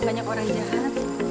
banyak orang jahat